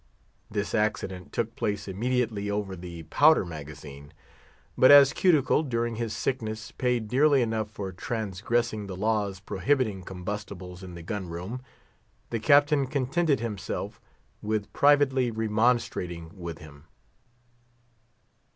This accident took place immediately over the powder magazine; but as Cuticle, during his sickness, paid dearly enough for transgressing the laws prohibiting combustibles in the gun room, the Captain contented himself with privately remonstrating with him.